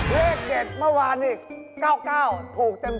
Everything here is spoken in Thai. เลขเก็บเมื่อวานนี่เก้าถูกเต็ม